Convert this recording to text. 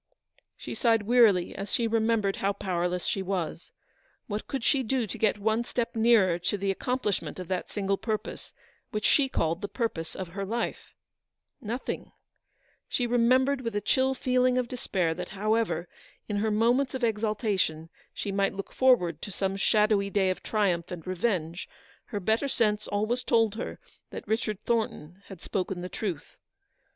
" She sighed wearily as she remembered how powerless she was. What could she do to get one step nearer to the accomplishment of that single purpose, which she called the purpose of her life ? Nothing ! She remembered with a chill feeling of despair that however, in her moments of exal tation, she might look forward to some shadowy day of triumph and revenge, her better sense 300 ELEANORS VICTORY. always told her that Richard Thornton had spoken the truth.